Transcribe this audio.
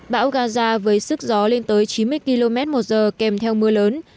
bão gaza với sức gió lên tới chín mươi km một giờ kèm theo mưa lớn